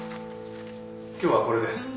今日はこれで。